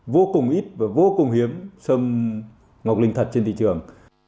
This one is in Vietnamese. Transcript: vô cùng ít và vô cùng hiếm sâm ngọc linh thật trên thị trường